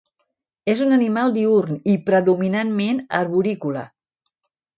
És un animal diürn i predominantment arborícola.